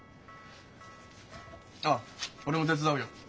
あっ俺も手伝うよ。